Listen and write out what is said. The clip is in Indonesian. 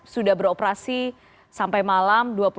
sudah beroperasi sampai malam